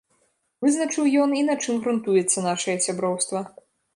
Вызначыў ён, і на чым грунтуецца нашае сяброўства.